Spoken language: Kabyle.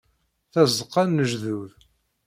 Tazeqqa n lejdud.